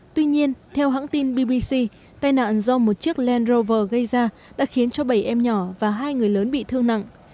tuy nhiên theo hãng tin bbc tai nạn do một chiếc land rover gây ra đã khiến cho bảy em nhỏ và hai người lớn bị thương nặng